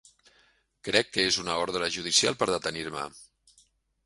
Crec que és una ordre judicial per detenir-me.